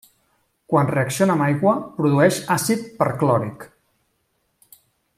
Quan reacciona amb aigua produeix àcid perclòric.